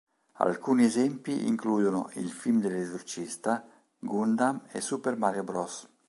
Alcuni esempi includono il film dell'esorcista, "Gundam" e "Super Mario Bros.".